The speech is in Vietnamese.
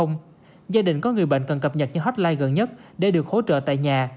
gia đình có người bệnh cần cập nhật cho hotline gần nhất để được hỗ trợ tại nhà